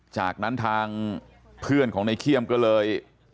จากนั้นทางเพื่อนของในเขี้ยมก็เลย